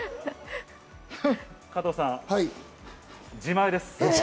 加藤さん、自前です。